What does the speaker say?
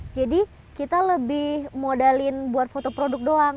jadi kita lebih modalin buat foto produk doang